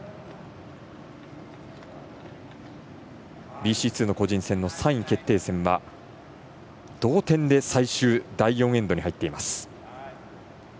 ＢＣ２の個人戦の３位決定戦は同点で最終第４エンドに入っています。